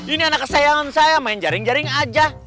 ini anak kesayangan saya main jaring jaring aja